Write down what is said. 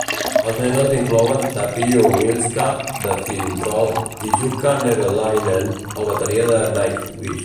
Els membres inclouen Tapio Wilska de Finntroll i Jukka Nevalainen, el bateria de Nightwish.